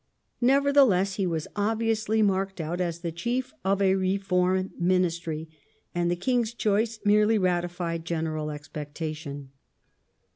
Nevertheless, he was obviously marked out as the chief of a " Reform " Ministry, and the King's choice merely ratified general expectation.